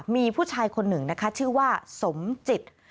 มีผู้ชายคนหนึ่งนะคะชื่อว่าสมจิต